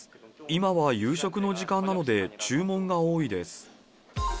今は夕食の時間なので、注文が多いです。